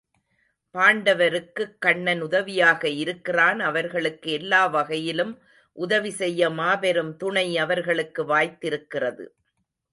பாண்டவருக்குக் கண்ணன் உதவியாக இருக்கிறான் அவர்களுக்கு எல்லா வகையிலும் உதவி செய்ய மாபெரும் துணை அவர்களுக்கு வாய்த்திருக்கிறது.